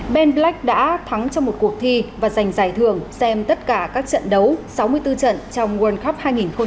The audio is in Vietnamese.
ben plak đã thắng trong một cuộc thi và giành giải thưởng xem tất cả các trận đấu sáu mươi bốn trận trong world cup hai nghìn hai mươi